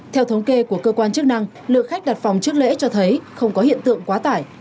theo thống kê của cơ quan chức năng lượng khách đặt phòng trước lễ cho thấy không có hiện tượng quá tải